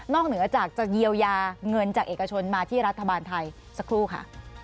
เหนือจากจะเยียวยาเงินจากเอกชนมาที่รัฐบาลไทยสักครู่ค่ะ